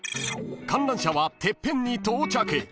［観覧車はてっぺんに到着］